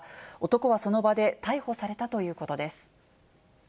男はその場で逮捕されたということです。